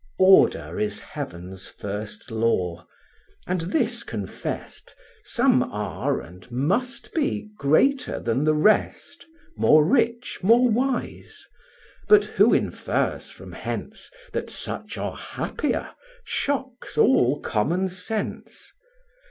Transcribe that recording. Order is Heaven's first law; and this confest, Some are, and must be, greater than the rest, More rich, more wise; but who infers from hence That such are happier, shocks all common sense.